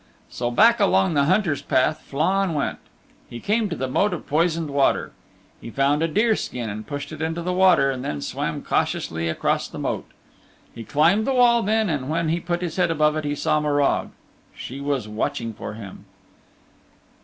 So back along the Hunter's Path Flann went. He came to the Moat of Poisoned Water. He found a deer skin and pushed it into the water and then swam cautiously across the moat. He climbed the wall then, and when he put his head above it he saw Morag. She was watching for him.